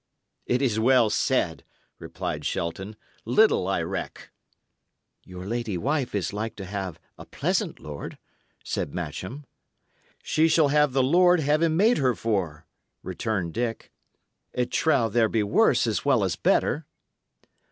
"It is well said," replied Shelton. "Little I reck." "Your lady wife is like to have a pleasant lord," said Matcham. "She shall have the lord Heaven made her for," returned Dick. "It trow there be worse as well as better."